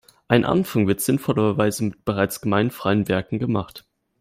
Ein Anfang wird sinnvollerweise mit bereits gemeinfreien Werken gemacht.